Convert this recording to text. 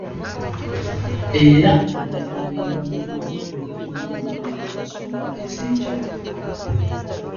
Era ajja kugenda mu maaso okutunnyonnyola ensonga ez'enjawulo.